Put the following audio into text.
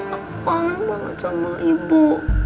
aku file banget sama ibu